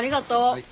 はい。